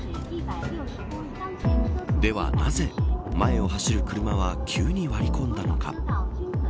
では、なぜ前を走る車は急に割り込んだのか。